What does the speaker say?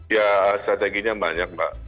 ya strateginya banyak mbak